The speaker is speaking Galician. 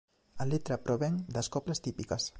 A letra provén das coplas típicas.